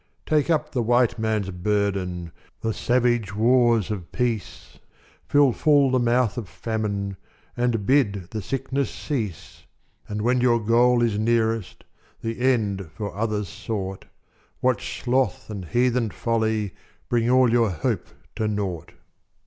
Take up the White Man's burden The savage wars of peace Fill full the mouth of Famine And bid the sickness cease; And when your goal is nearest The end for others sought, Watch Sloth and heathen Folly Bring all your hope to naught.